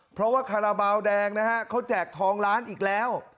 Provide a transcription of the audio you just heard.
เพราะว่าคาราบาลแดงนะฮะเขาแจกทองล้านอีกแล้ว